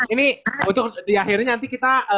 ini untuk di akhirnya nanti kita